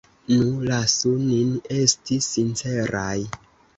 Nu, lasu nin esti sinceraj.